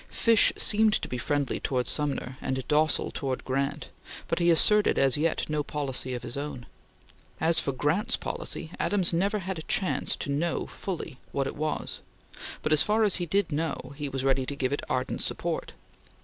Fish seemed to be friendly towards Sumner, and docile towards Grant, but he asserted as yet no policy of his own. As for Grant's policy, Adams never had a chance to know fully what it was, but, as far as he did know, he was ready to give it ardent support.